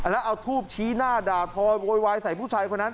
แล้วเอาทูบชี้หน้าด่าทอยโวยวายใส่ผู้ชายคนนั้น